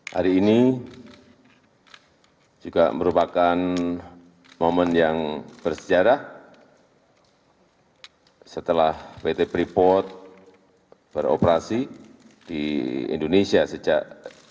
hari ini juga merupakan momen yang bersejarah setelah pt freeport beroperasi di indonesia sejak seribu sembilan ratus tujuh puluh tiga